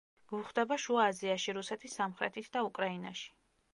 გვხვდება შუა აზიაში, რუსეთის სამხრეთით და უკრაინაში.